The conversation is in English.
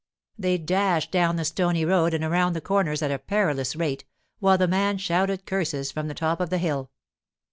They dashed down the stony road and around the corners at a perilous rate, while the man shouted curses from the top of the hill.